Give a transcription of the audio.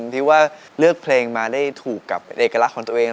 ที่ว่าเลือกเพลงมาได้ถูกกับเอกลักษณ์ของตัวเอง